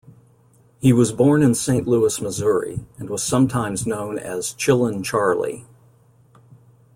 He was born in Saint Louis, Missouri and was sometimes known as "Chillin' Charley".